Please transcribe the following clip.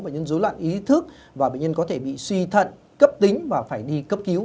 bệnh nhân dối loạn ý thức và bệnh nhân có thể bị suy thận cấp tính và phải đi cấp cứu